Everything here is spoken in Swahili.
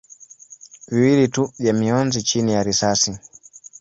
viwili tu vya mionzi chini ya risasi.